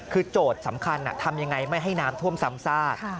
คือโจทย์สำคัญทำยังไงไม่ให้น้ำท่วมซ้ำซาก